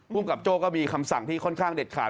กับโจ้ก็มีคำสั่งที่ค่อนข้างเด็ดขาด